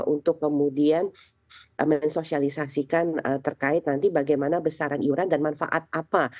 untuk kemudian mensosialisasikan terkait nanti bagaimana besaran iuran dan manfaat apa